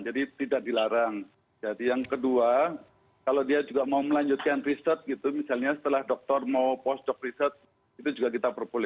jadi tidak dilarang jadi yang kedua kalau dia juga mau melanjutkan riset gitu misalnya setelah dokter mau post doc riset itu juga kita propon